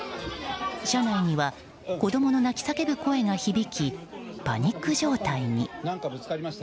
車内には子供の泣き叫ぶ声が響きパニック状態に。